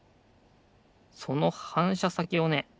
そのはんしゃさきをね